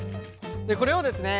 これをですね